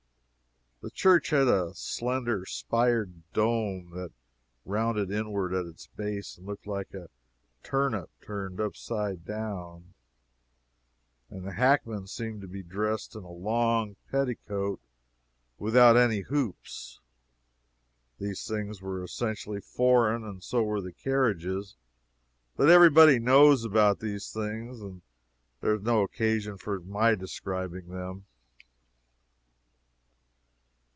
The church had a slender spired dome that rounded inward at its base, and looked like a turnip turned upside down, and the hackman seemed to be dressed in a long petticoat with out any hoops. These things were essentially foreign, and so were the carriages but every body knows about these things, and there is no occasion for my describing them.